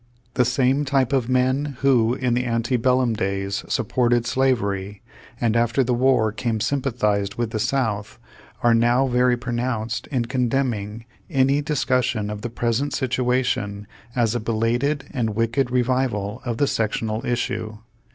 The same type of men who, in the ante helium days supported slavery, and after the war camie sympathized with the South, are now very pronounced in condemning any discussion of the present situation as a belated and wicked revival of the sectional issue.